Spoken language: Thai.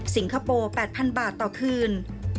คโปร์๘๐๐๐บาทต่อคืน